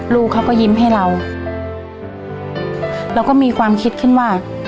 ลูกเขาก็ยิ้มให้เราเราก็มีความคิดขึ้นว่า